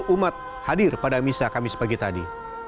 satu ratus lima puluh umat hadir pada misa kamis pagi tadi